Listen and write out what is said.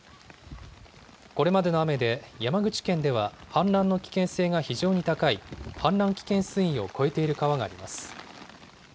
これまでの雨で、山口県では氾濫の危険性が非常に高い氾濫危険水位を超えている川があります。